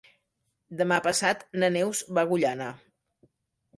Demà passat na Neus va a Agullana.